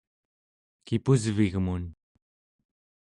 kipusvigmun